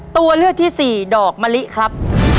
ตัวเลือกที่สี่ดอกมะลิครับ